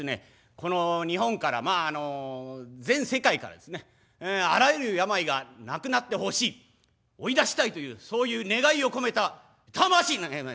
この日本からまああの全世界からですねあらゆる病がなくなってほしい追い出したいというそういう願いを込めた魂の！